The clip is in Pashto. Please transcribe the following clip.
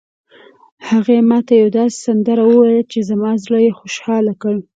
هغې ما ته یوه داسې سندره وویله چې زما زړه یې خوشحال کړ